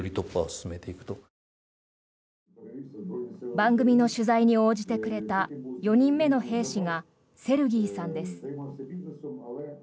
番組の取材に応じてくれた４人目の兵士がセルギーさんです。